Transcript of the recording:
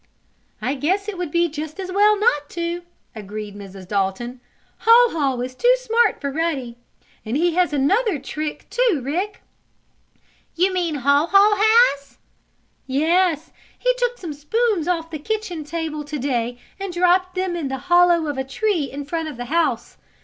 "I guess it would be just as well not to," agreed Mrs. Dalton. "Haw Haw is too smart for Ruddy. And he has another trick, too, Rick." "You mean Haw Haw has?" "Yes, he took some spoons off the kitchen table to day and dropped them in the hollow of a tree in front of the house.